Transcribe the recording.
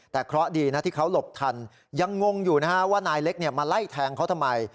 แต่เคราะห์ดีนะที่เขาหลบทันยังงงอยู่นะฮะว่านายเล็กมาไล่แทงเขาทำไม